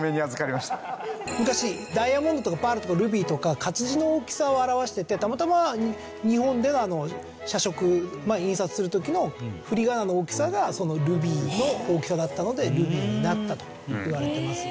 昔ダイヤモンドとかパールとかルビーとか活字の大きさを表していてたまたま日本では写植印刷する時のふりがなの大きさがルビーの大きさだったので「ルビ」になったといわれています。